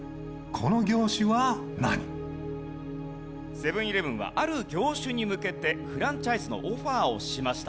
セブン−イレブンはある業種に向けてフランチャイズのオファーをしました。